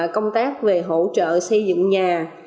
công tác về hỗ trợ xây dựng nhà